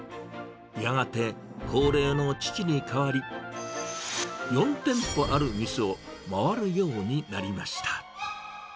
やがて高齢の父に代わり、４店舗ある店を回るようになりました。